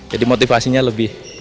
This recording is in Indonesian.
jadi motivasinya lebih